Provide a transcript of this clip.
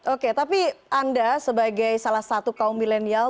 oke tapi anda sebagai salah satu kaum milenial